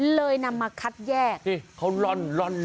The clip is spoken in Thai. เลยนำมาคัดแยกเฮ้เขาล่น